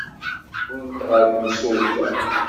Wwin-t ɣer temsulta.